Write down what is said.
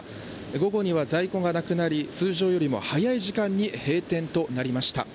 午後には在庫がなくなり通常よりも早い時間に閉店となりました。